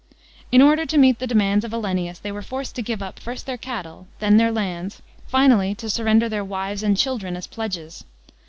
In order to meet the demands of Olennius, they were forced to give up, first their rattle, then their lands, finally to surrender their wives and children as pledges.